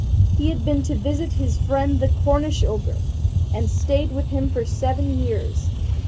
He had been to visit his friend the Cornish ogre, and had stayed with him for seven years.